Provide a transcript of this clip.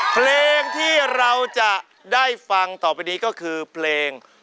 เพลงที่เราจะได้ฟังต่อไปนี้ก็คือเพลง